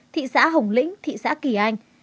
thị xã hồng lĩnh thị xã kỳ anh